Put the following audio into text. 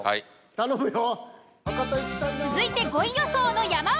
頼むよ。